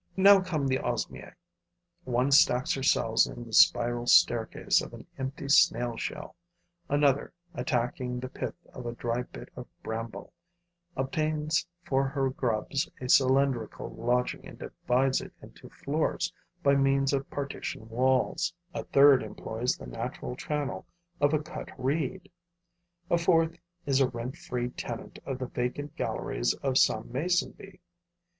Now come the Osmiae. One stacks her cells in the spiral staircase of an empty snail shell; another, attacking the pith of a dry bit of bramble, obtains for her grubs a cylindrical lodging and divides it into floors by means of partition walls; a third employs the natural channel of a cut reed; a fourth is a rent free tenant of the vacant galleries of some mason bee.